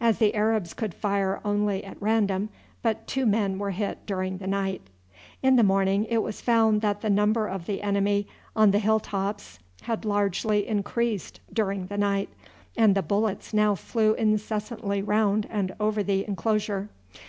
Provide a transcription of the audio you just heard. As the Arabs could fire only at random but two men were hit during the night. In the morning it was found that the number of the enemy on the hilltops had largely increased during the night, and the bullets now flew incessantly round and over the inclosure.